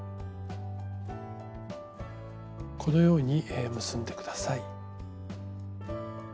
このように結んで下さい。